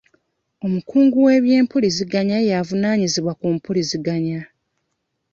Omukungu w'eby'empuliziganya y'avunaanyizibwa ku mpuliziganya.